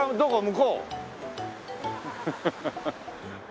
向こう？